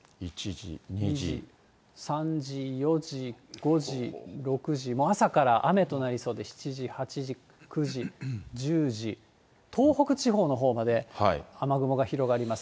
３時、４じ、５時、６時、朝から雨となりそうで、７時、８時、９時、１０時、東北地方のほうまで雨雲が広がります。